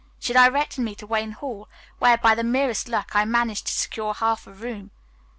She directed me to Wayne Hall, where, by the merest luck, I managed to secure half a room."